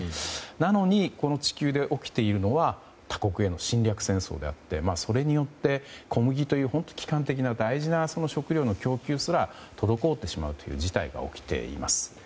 なのにこの地球で起きているのは他国への侵略戦争であってそれによって小麦という基幹的な大事な食糧の供給すら滞ってしまうという事態が起きています。